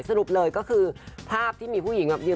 สรุปเลยก็คือภาพที่มีผู้หญิงนั่งพนมมือ